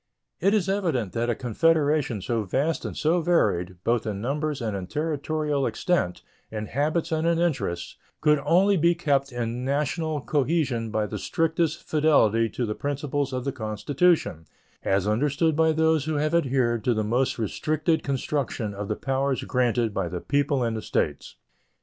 It is evident that a confederation so vast and so varied, both in numbers and in territorial extent, in habits and in interests, could only be kept in national cohesion by the strictest fidelity to the principles of the Constitution as understood by those who have adhered to the most restricted construction of the powers granted by the people and the States.